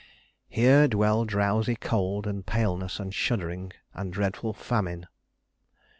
"Here dwell drowsy Cold and Paleness and Shuddering and dreadful Famine."